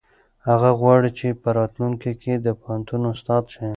هغه غواړي چې په راتلونکي کې د پوهنتون استاد شي.